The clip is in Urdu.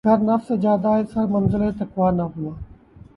گر نفس جادہٴ سر منزلِ تقویٰ نہ ہوا